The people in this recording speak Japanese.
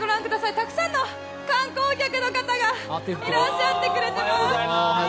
たくさんの観光客の方がいらっしゃってくださっています。